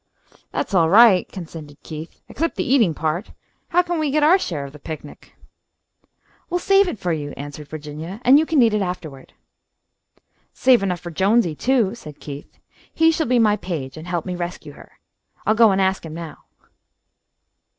"That's all right," consented Keith, "except the eating part. How can we get our share of the picnic?" "We'll save it for you," answered Virginia, "and you can eat it afterward." "Save enough for Jonesy, too," said Keith. "He shall be my page and help me rescue her. I'll go and ask him now."